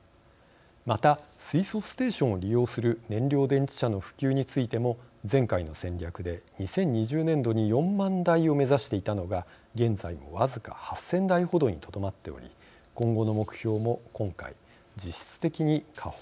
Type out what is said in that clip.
また水素ステーションを利用する燃料電池車の普及についても前回の戦略で２０２０年度に４万台を目指していたのが現在も僅か８，０００台ほどにとどまっており今後の目標も今回実質的に下方修正しています。